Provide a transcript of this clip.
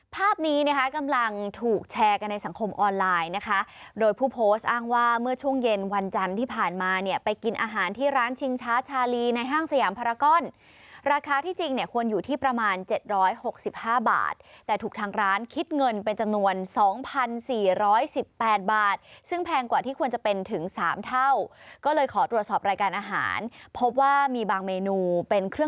ภาพนี้นะคะกำลังถูกแชร์กันในสังคมออนไลน์นะคะโดยผู้โพสต์อ้างว่าเมื่อช่วงเย็นวันจันทร์ที่ผ่านมาเนี่ยไปกินอาหารที่ร้านชิงชาชาลีในห้างสยามพระก้อนราคาที่จริงเนี่ยควรอยู่ที่ประมาณเจ็ดร้อยหกสิบห้าบาทแต่ถูกทางร้านคิดเงินเป็นจำนวนสองพันสี่ร้อยสิบแปดบาทซึ่งแพงกว่าที่ควรจะเป